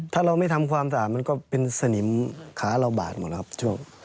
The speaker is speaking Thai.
ถ้าเราไม่ทำความสะอาดมันก็เป็นสนิมขาเราบาดหมดแล้วครับช่วง